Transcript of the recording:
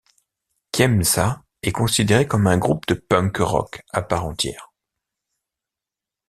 Kiemsa est considéré comme un groupe de punk rock à part entière.